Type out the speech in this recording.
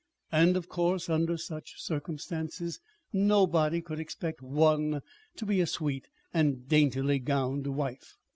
And, of course, under such circumstances, nobody could expect one to be a sweet and daintily gowned wife!